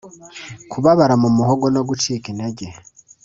kubabara mu muhogo no gucika intege